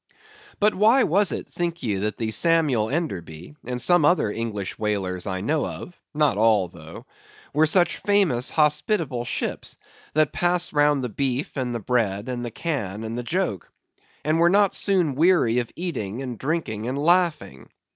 But why was it, think ye, that the Samuel Enderby, and some other English whalers I know of—not all though—were such famous, hospitable ships; that passed round the beef, and the bread, and the can, and the joke; and were not soon weary of eating, and drinking, and laughing?